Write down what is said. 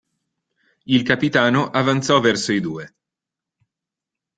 Il capitano avanzò verso i due.